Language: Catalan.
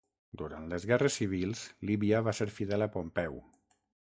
Durant les Guerres Civils, Líbia va ser fidel a Pompeu.